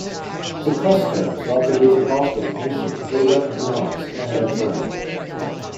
The customs of the Visigothic nation were recognised and affirmed.